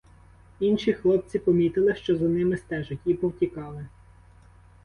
Інші хлопці помітили, що за ними стежать, і повтікали.